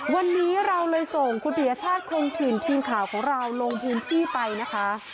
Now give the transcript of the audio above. วันนี้เราเลยส่งคุณปียชาติคงถิ่นทีมข่าวของเราลงพื้นที่ไปนะคะ